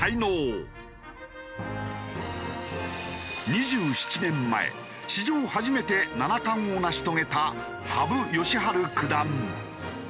２７年前史上初めて七冠を成し遂げた羽生善治九段。